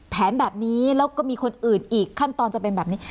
แผนแบบนี้แล้วก็มีคนอื่นอีกขั้นตอนจะเป็นแบบนี้